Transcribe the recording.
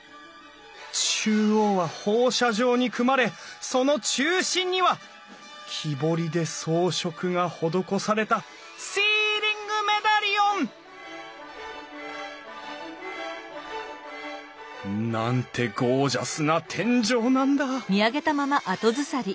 中央は放射状に組まれその中心には木彫りで装飾が施されたシーリングメダリオン！なんてゴージャスな天井なんだ！